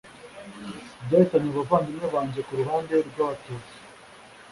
ryahitanye abavandimwe banjye ku ruhande rw'Abatutsi